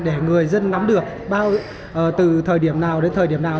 để người dân nắm được từ thời điểm nào đến thời điểm nào